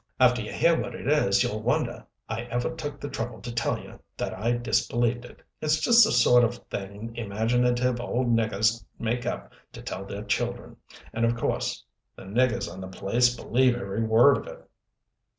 After you hear what it is you'll wonder I ever took the trouble to tell you that I disbelieved it. It's just the sort of thing imaginative old niggers make up to tell their children. And of course the niggers on the place believe every word of it.